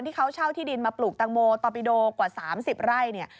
ที่เขาเช่าที่ดินมาปลูกตังโมตอปิโดกว่า๓๐ไร่เนี่ย